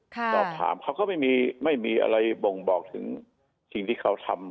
สอบถามเขาก็ไม่มีไม่มีอะไรบ่งบอกถึงสิ่งที่เขาทำ